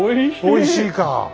おいしいか。